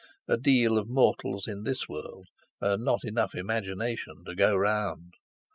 A deal of mortals in this world, and not enough imagination to go round!